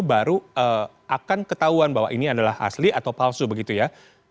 baru akan ketahuan bahwa ini adalah asli atau palsu begitu ya